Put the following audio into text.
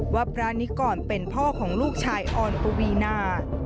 พระนิกรเป็นพ่อของลูกชายอ่อนปวีนา